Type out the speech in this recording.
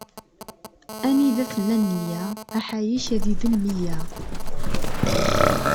Anida tella nneyya, aḥayek ad idel meyya.